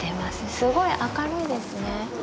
すごい明るいですね。